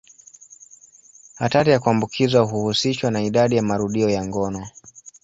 Hatari ya kuambukizwa huhusishwa na idadi ya marudio ya ngono.